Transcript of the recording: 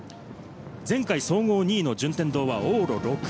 前回、総合２位の順天堂は往路６位。